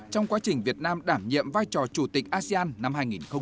trong quá trình việt nam đảm nhiệm vai trò chủ tịch asean năm hai nghìn hai mươi